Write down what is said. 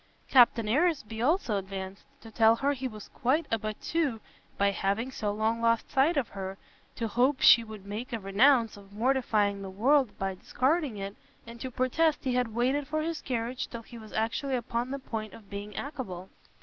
Captain Aresby also advanced, to tell her he was quite abattu by having so long lost sight of her, to hope she would make a renounce of mortifying the world by discarding it, and to protest he had waited for his carriage till he was actually upon the point of being [accable.